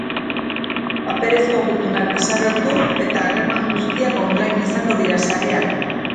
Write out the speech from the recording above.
Paperezko gutunak desagertu eta harreman guztiak online izango dira sarean.